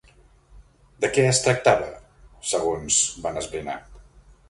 De què es tractava segons van esbrinar?